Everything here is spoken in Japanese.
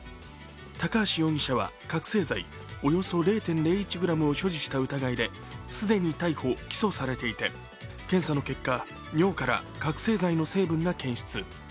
高橋容疑者は覚せい剤およそ０．０１ｇを所持した疑いで既に逮捕・起訴されていて、検査の結果、尿から、覚醒剤の成分が検出。